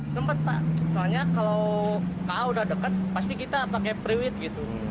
sempat pak soalnya kalau kakak sudah dekat pasti kita pakai fluid gitu